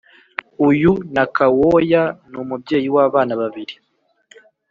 uyu nakawooya n’umubyeyi w’abana babiri